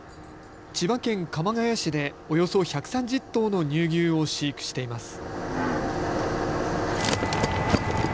千葉県鎌ケ谷市でおよそ１３０頭の乳牛を飼育しています。